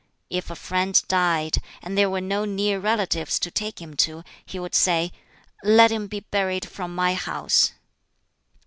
If a friend died, and there were no near relatives to take him to, he would say, "Let him be buried from my house."